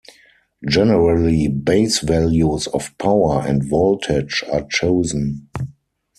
Generally base values of power and voltage are chosen.